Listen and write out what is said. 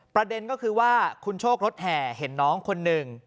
ประเด็นก็คือว่าคุณโชครถแห่เห็นน้องคนหนึ่ง